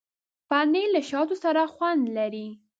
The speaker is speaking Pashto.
پنېر له شاتو سره خوند لري.